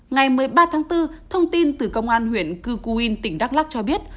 ngày một mươi ba tháng bốn thông tin từ công an huyện cư cu yên tỉnh đắk lắc cho biết